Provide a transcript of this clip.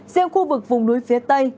riêng khu vực vùng núi phía tây